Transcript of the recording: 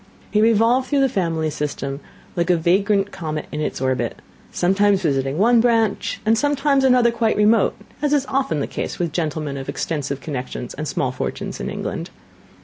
He revolved through the family system like a vagrant comet in its orbit; sometimes visiting one branch, and sometimes another quite remote; as is often the case with gentlemen of extensive connections and small fortunes in England.